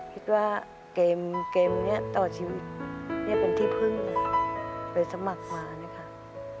คิดว่าเกมนี้ต่อชีวิตเนี่ยเป็นที่พึ่งไปสมัครมานะคะ